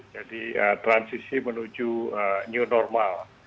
jadi transisi menuju new normal